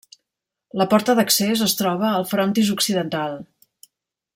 La porta d'accés es troba al frontis occidental.